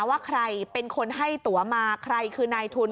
ว่าใครเป็นคนให้ตัวมาใครคือนายทุน